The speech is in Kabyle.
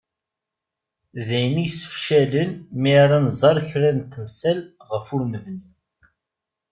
D ayen i yessefcalen mi ara nẓer kra n temsal ɣef ur nebni.